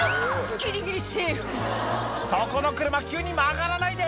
ギリギリセーフ「そこの車急に曲がらないで！